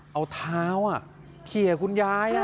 เอาเท้าเขียคุณยาย